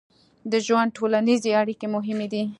د ژوند ټولنیزې اړیکې مهمې دي.